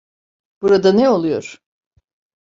Burada ne oluyor?